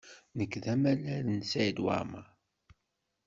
Nekk d amalal n Saɛid Waɛmaṛ.